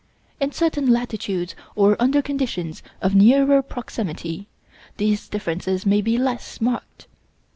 In certain latitudes, or under conditions of nearer proximity, these differences may be less marked.